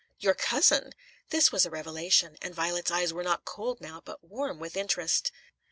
"Your cousin!" This was a revelation, and Violet's eyes were not cold now, but warm with interest.